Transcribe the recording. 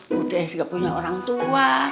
budaya juga punya orang tua